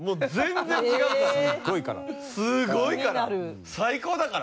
すごいから。